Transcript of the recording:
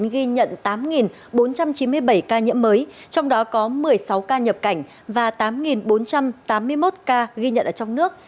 ghi nhận tám bốn trăm chín mươi bảy ca nhiễm mới trong đó có một mươi sáu ca nhập cảnh và tám bốn trăm tám mươi một ca ghi nhận ở trong nước